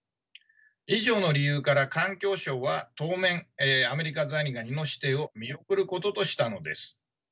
以上の理由から環境省は当面アメリカザリガニの指定を見送ることとしたのです。